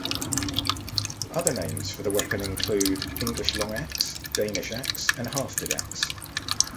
Other names for the weapon include English long axe, Danish axe, and hafted axe.